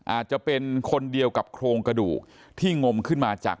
อาจจะเป็นคนเดียวกับโครงกระดูกที่งมขึ้นมาจาก